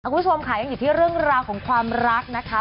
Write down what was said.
คุณผู้ชมค่ะยังอยู่ที่เรื่องราวของความรักนะคะ